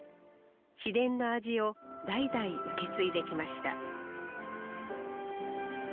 秘伝の味を代々受け継いできました